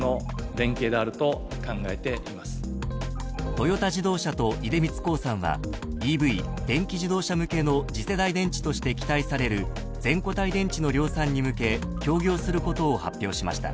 ［トヨタ自動車と出光興産はＥＶ電気自動車向けの次世代電池として期待される全固体電池の量産に向け協業することを発表しました］